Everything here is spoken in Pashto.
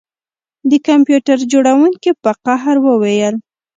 د کمپیوټر جوړونکي په قهر وویل